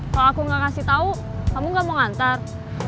kalau aku gak kasih tau kamu gak mau ngantar